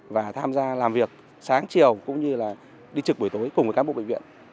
và tham gia làm việc sáng chiều cũng như đi trực buổi tối cùng với các bộ bệnh viện